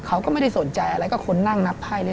เขาก็ไม่ได้สนใจอะไรก็คนนั่งนับไพ่เลย